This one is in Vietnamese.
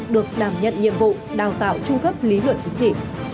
được đảm nhận nhiệm vụ đào tạo trung cấp lý luận chính trị